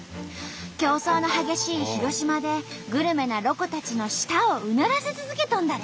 競争の激しい広島でグルメなロコたちの舌をうならせ続けとんだって！